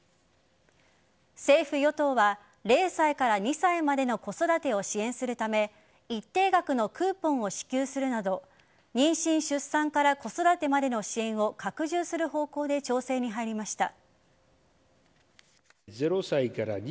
政府与党は０歳から２歳までの子育てを支援するため一定額のクーポンを支給するなど妊娠・出産から子育てまでの支援を拡充する方向で調整に入りました。